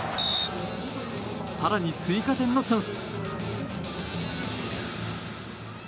更に追加点のチャンス。